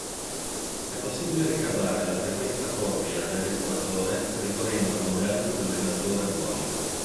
È possibile ricavare la frequenza propria del risuonatore ricorrendo al modello dell'oscillatore armonico.